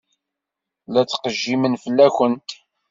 La ttqejjimen fell-akent.